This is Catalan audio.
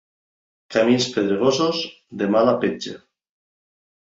Camins pedrosos, de mala petja.